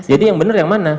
jadi yang benar yang mana